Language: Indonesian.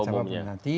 berjalan siapapun nanti